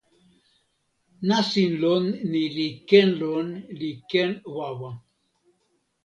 nasin lon ni li ken lon li ken wawa.